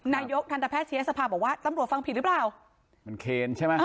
นายกทันตแพทยศภาบอกว่าตำรวจฟังผิดหรือเปล่ามันเคนใช่ไหม